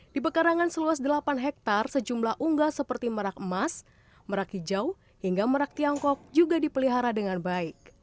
di pekarangan seluas delapan hektare sejumlah unggas seperti merak emas merak hijau hingga merak tiongkok juga dipelihara dengan baik